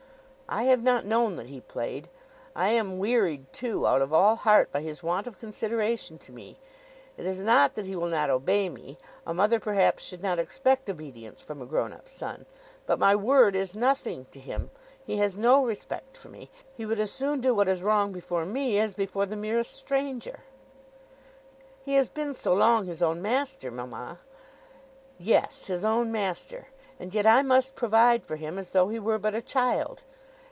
"I have not known that he played. I am wearied too, out of all heart, by his want of consideration to me. It is not that he will not obey me. A mother perhaps should not expect obedience from a grown up son. But my word is nothing to him. He has no respect for me. He would as soon do what is wrong before me as before the merest stranger." "He has been so long his own master, mamma." "Yes, his own master! And yet I must provide for him as though he were but a child.